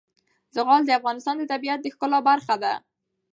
زغال د افغانستان د طبیعت د ښکلا برخه ده.